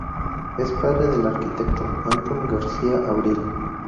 Es padre del arquitecto Antón García-Abril.